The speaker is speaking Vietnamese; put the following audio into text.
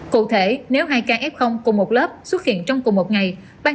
cụ thể nếu hai ca f cùng một lớp xuất hiện trong cùng một ngày